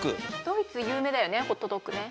ドイツゆうめいだよねホットドッグね。